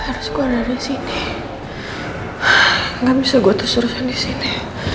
harus gua dari sini nggak bisa gue terus terusan di sini